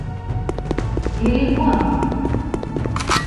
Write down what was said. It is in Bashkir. Геликон!